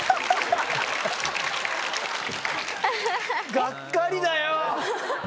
がっかりだよ！